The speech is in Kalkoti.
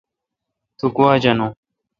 تو گوا جانون۔